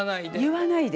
言わないで。